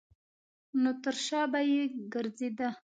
نو تر شا به یې ګرځېده.